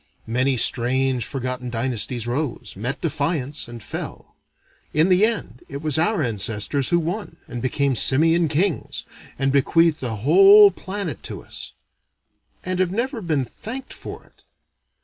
Many strange forgotten dynasties rose, met defiance, and fell. In the end it was our ancestors who won, and became simian kings, and bequeathed a whole planet to us and have never been thanked for it.